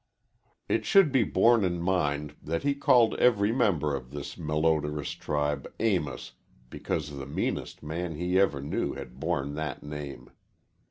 It should be borne in mind that he called every member of this malodorous tribe "Amos," because the meanest man he ever knew had borne that name.